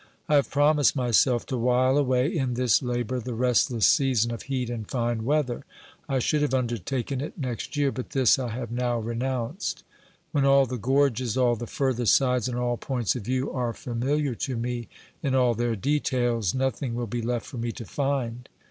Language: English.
I have promised myself to while away in this labour the restless season of heat and fine weather. I should have undertaken it next year, but this I have now renounced. When all the gorges, all the further sides and all points of view are familiar to me in all their details, nothing will be left for me to find.